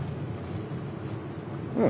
うん！